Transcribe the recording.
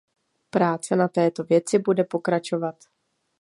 Práce na této věci bude pokračovat.